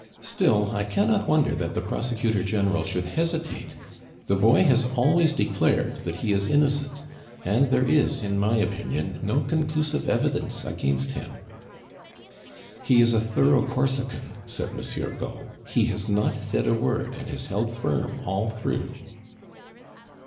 "Still, I cannot wonder that the prosecutor general should hesitate; the boy has always declared that he is innocent, and there is, in my opinion, no conclusive evidence against him." "He is a thorough Corsican," said Monsieur Gault; "he has not said a word, and has held firm all through."